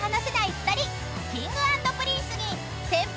２人Ｋｉｎｇ＆Ｐｒｉｎｃｅに先輩